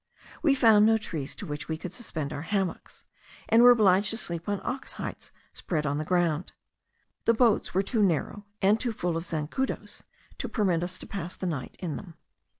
We found no trees to which we could suspend our hammocks, and were obliged to sleep on ox hides spread on the ground. The boats were too narrow and too full of zancudos to permit us to pass the night in them.